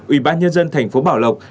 ủy ban nhân dân thành phố bảo lộc